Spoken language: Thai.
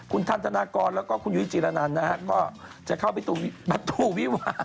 คุณท่านธนากรแล้วก็คุณยุทิจิรณานนะครับก็จะเข้าไปบัตถุวิวา